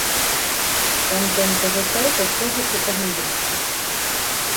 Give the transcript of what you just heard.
Кантэнт таго сайта строга прапагандысцкі.